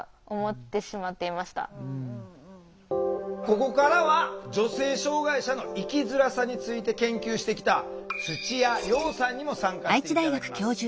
ここからは女性障害者の生きづらさについて研究してきた土屋葉さんにも参加して頂きます。